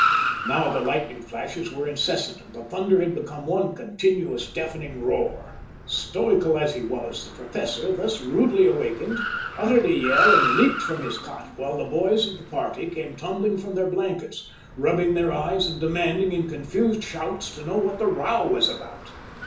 Now the lightning flashes were incessant, and the thunder had become one continuous, deafening roar. Stoical as he was, the Professor, thus rudely awakened, uttered a yell and leaped from his cot, while the boys of the party came tumbling from their blankets, rubbing their eyes and demanding in confused shouts to know what the row was about.